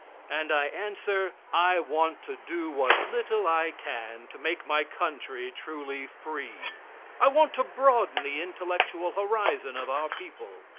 And I answer, I want to do what little I can to make my country truly free. I want to broaden the intellectual horizon of our people.